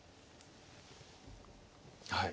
はい。